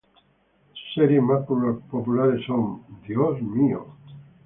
Sus series más populares son "¡Dios mío!